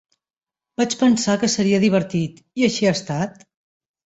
Vaig pensar que seria divertit, i així ha estat.